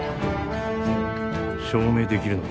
証明できるのか？